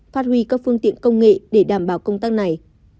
phát huy các phương tiện công nghệ để đảm bảo công tác này